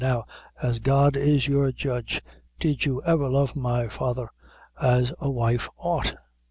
Now, as God is to judge you, did you ever love my father as a wife ought?"